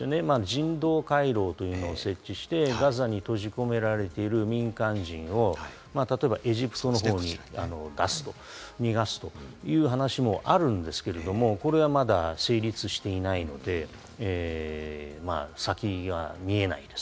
人道回廊というものを設置して、ガザに閉じ込められている民間人を、例えば、エジプトの方に出す、逃がすという話もあるんですけれども、これがまだ成立していないので、先が見えないです。